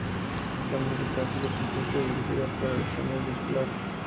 La música ha sido compuesta y dirigida por Alexander Desplat.